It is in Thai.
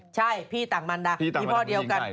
ใช่พี่ต่างมันดาพี่พ่อเดียวกัน